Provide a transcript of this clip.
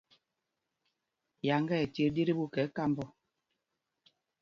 Yáŋga ɛ tit ɗí tí ɓu kɛ kamb ɔ.